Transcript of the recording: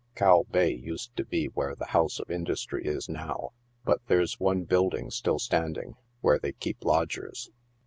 * Cow Bay ' used to be where the House of Industry is now, but there's one building still standing, where they keep lodgers."